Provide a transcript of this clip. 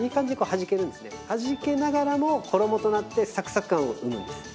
はじけながらも衣となってサクサク感を生むんです。